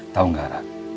tau nggak rara